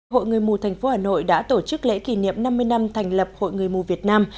hội người mù thành phố hà nội đã tổ chức lễ kỷ niệm năm mươi năm thành lập hội người mù việt nam